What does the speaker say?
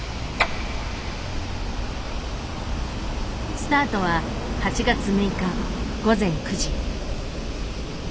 スタートは８月６日午前９時。